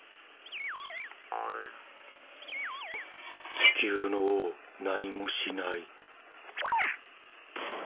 地球の王何もしない。